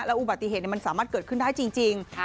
อุบัติเหตุมันสามารถเกิดขึ้นได้จริง